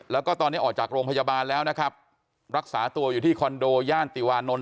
แล้วก็ตอนนี้ออกจากโรงพยาบาลแล้วนะครับรักษาตัวอยู่ที่คอนโดย่านติวานนท